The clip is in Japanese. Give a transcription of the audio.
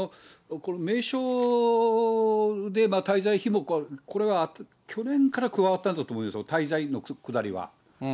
名称で、滞在費も、これは去年から加わったんだと思うんですよ、滞在のくだりは。